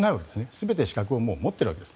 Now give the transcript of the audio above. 全て資格を持ってるわけです。